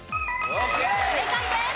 正解です！